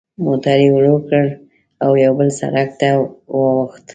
موټر یې ورو کړ او یوه بل سړک ته واوښت.